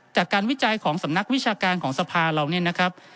จากการวิจัยของสำนักวิชาการของสภาเรา